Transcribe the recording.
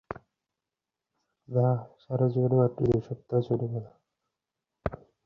না, সারাজীবনে মাত্র দুসপ্তাহ ছুটি পেলাম।